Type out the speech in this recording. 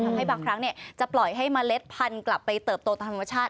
ทำให้บางครั้งจะปล่อยให้เมล็ดพันธุ์กลับไปเติบโตตามธรรมชาติ